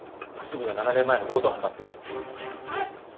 楠見が７年前の強盗犯だって。